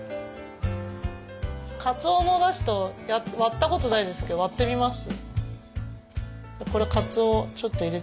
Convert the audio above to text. かつおのおだしと割ったことないですけど割ってみます。